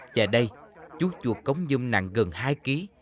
và đây chú chuột cống dâm nặng gần hai kg